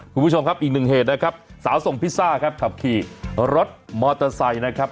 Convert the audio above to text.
คุณผู้ชมครับอีกหนึ่งเหตุนะครับสาวส่งพิซซ่าครับขับขี่รถมอเตอร์ไซค์นะครับ